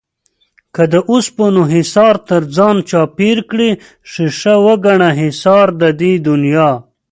که د اوسپنو حِصار تر ځان چاپېر کړې ښيښه وگڼه حِصار د دې دنيا